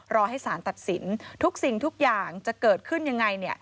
รอให้สารตัดสินทุกสิ่งทุกอย่างจะเกิดขึ้นยังไง